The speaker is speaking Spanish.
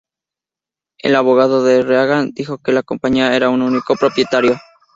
El abogado de Reagan, dijo que la compañía era "un único propietario.